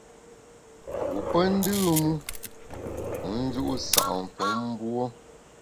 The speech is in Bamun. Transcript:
Ngu pe ndùm u, wu nju’ sa’ mfom mbuo.